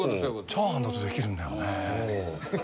チャーハンだと出来るんだよね。